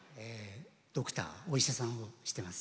ドクターお医者さんをしてます。